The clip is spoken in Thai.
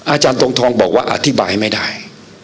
อาจารย์ทรงทองบอกว่าอธิบายไม่ได้